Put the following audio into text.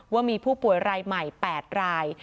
ว่ามีผู้ป่วยรายใหม่๘ราย